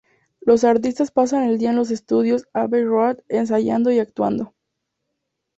Los artistas pasan el día en los estudios Abbey Road ensayando y actuando.